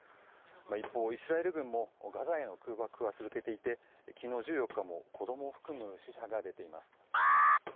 一方、イスラエル軍もガザへの空爆は続けていて昨日１４日も子供を含む死者が出ています。